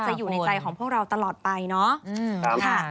อยู่ในใจของพวกเราตลอดไปเนาะ